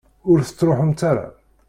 Ur tettruḥumt ara.